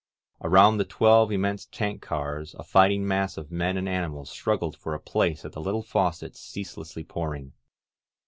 Around the twelve immense tank cars, a fighting mass of men and animals struggled for a place at the little faucets cease lessly pouring.